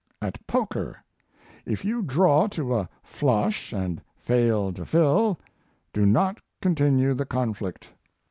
AT POKER If you draw to a flush and fail to fill, do not continue the conflict.